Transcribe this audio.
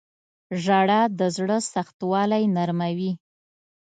• ژړا د زړه سختوالی نرموي.